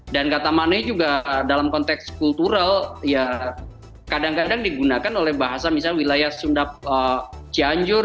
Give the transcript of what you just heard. dan kata maneh juga dalam konteks kultural ya kadang kadang digunakan oleh bahasa misalnya wilayah sunda cianjur